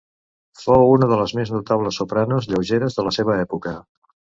Fou una les més notables sopranos lleugeres de la seva època.